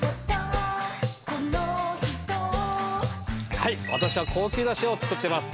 はいわたしは高級な塩を作ってます。